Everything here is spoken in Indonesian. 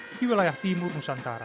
di wilayah timur nusantara